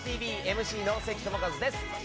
ＭＣの関智一です。